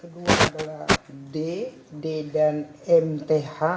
d dan mth